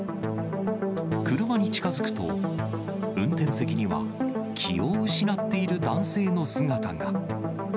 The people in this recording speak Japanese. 車に近づくと、運転席には気を失っている男性の姿が。